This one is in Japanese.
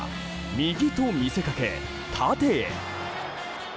右と見せかけ縦へ。